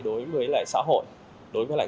đối với lại xã hội đối với lại